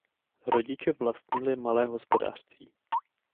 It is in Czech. Rodiče vlastnili malé hospodářství.